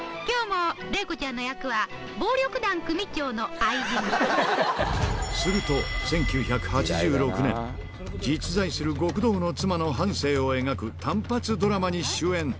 きょうも麗子ちゃんの役は、すると、１９８６年、実在する極道の妻の半生を描く単発ドラマに主演。